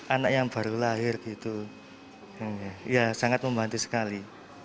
anak yang baru lahir gitu ya sangat membantu sekali